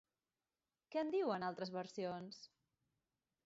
Què en diuen altres versions?